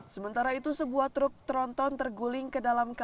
sementara itu sebuah truk tronton terguling ke dalam kapal